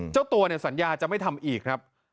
เจ้าตัวเนี่ยสัญญาจะไม่ทำอีกครับ